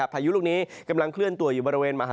ไพยุลูกนี้กำลังเคลื่อนตัวอยู่